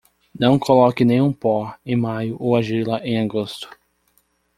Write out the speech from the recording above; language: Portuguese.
Não coloque nenhum pó em maio ou argila em agosto.